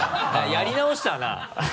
やり直したな。